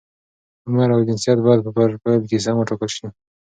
عمر او جنسیت باید په فروفیل کې سم وټاکل شي.